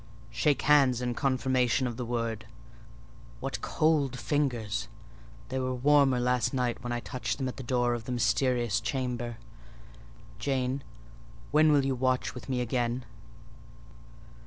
"Shake hands in confirmation of the word. What cold fingers! They were warmer last night when I touched them at the door of the mysterious chamber. Jane, when will you watch with me again?"